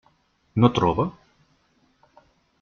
No troba?